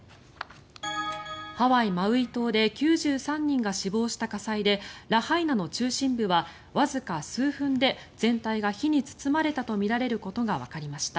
ハワイ・マウイ島で９３人が死亡した火災でラハイナの中心部はわずか数分で全体が火に包まれたとみられることがわかりました。